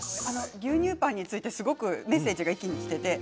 牛乳パンについてメッセージがきています。